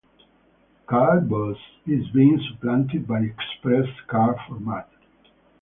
Cardbus is being supplanted by ExpressCard format.